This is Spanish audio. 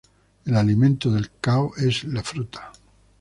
El alimento del Chao es la fruta.